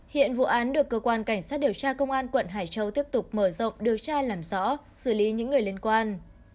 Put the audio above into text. hiện vụ án được cơ quan cảnh sát điều tra công an quận hải châu tiếp tục mở rộng điều tra làm rõ xử lý những người liên quan